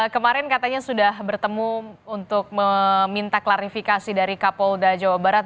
kemarin katanya sudah bertemu untuk meminta klarifikasi dari kapolda jawa barat